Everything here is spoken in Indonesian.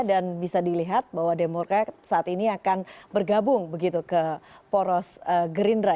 dan bisa dilihat bahwa demokrat saat ini akan bergabung begitu ke poros gerindra